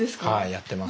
やってます。